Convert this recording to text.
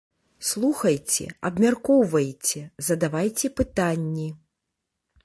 Слухайце, абмяркоўвайце, задавайце пытанні!